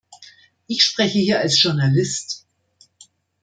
Ich spreche hier als Journalist.